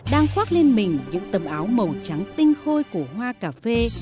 đang khoác lên mình những tấm áo màu trắng tinh khôi của hoa cà phê